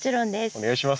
お願いします。